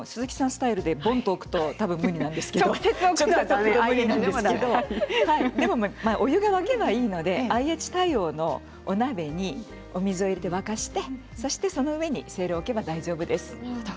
スタイルでぼんと置くとだめですけれどでもお湯が沸けばいいのでＩＨ対応のお鍋に水を入れて沸かしてそしてその上にせいろを置けば大丈夫です。